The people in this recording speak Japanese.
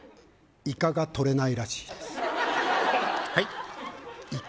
イカがとれないらしいですはい？